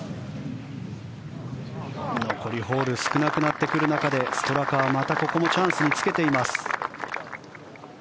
残りホール少なくなってくる中でストラカはまたここもチャンスにつけています。